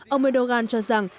ông erdogan cho rằng